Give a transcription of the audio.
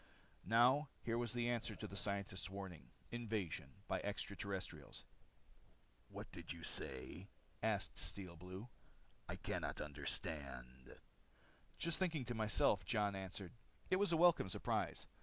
Now here was the answer to the scientists' warning. Invasion by extra terrestrials. "What did you say?" asked Steel Blue. "I couldn't understand." "Just thinking to myself," Jon answered. It was a welcome surprise.